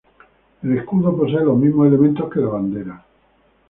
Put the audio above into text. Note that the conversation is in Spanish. El escudo posee los mismos elementos que la Bandera.